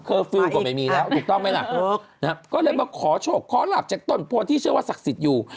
ฟิลล์ก็ไม่มีแล้วถูกต้องไหมล่ะก็เลยมาขอโชคขอหลับจากต้นโพที่เชื่อว่าศักดิ์สิทธิ์อยู่